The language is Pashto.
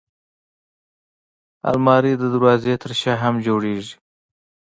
الماري د دروازې تر شا هم جوړېږي